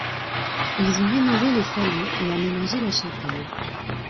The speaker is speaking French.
Ils ont rénové les salons et aménagé la chapelle.